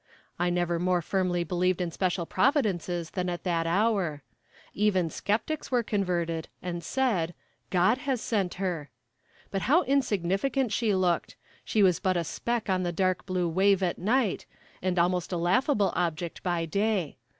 I never more firmly believed in special providences than at that hour. Even skeptics were converted, and said, 'God has sent her.' But how insignificant she looked; she was but a speck on the dark blue wave at night, and almost a laughable object by day.